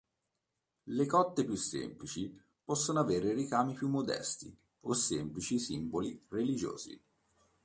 Le cotte più semplici possono avere ricami più modesti o semplici simboli religiosi.